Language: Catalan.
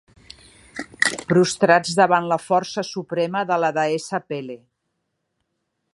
Prostrats davant la força suprema de la deessa Pele.